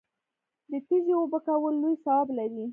د تږي اوبه کول لوی ثواب لري.